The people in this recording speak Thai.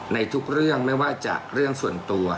ในทุกเรื่องไม่ว่าจะเรื่องส่วนตัว